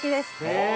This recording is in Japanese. へえ！